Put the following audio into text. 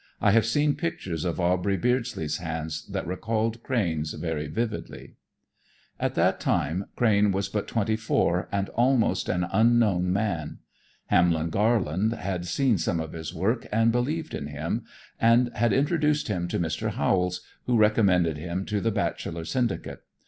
I have seen pictures of Aubrey Beardsley's hands that recalled Crane's very vividly. At that time Crane was but twenty four, and almost an unknown man. Hamlin Garland had seen some of his work and believed in him, and had introduced him to Mr. Howells, who recommended him to the Bacheller Syndicate.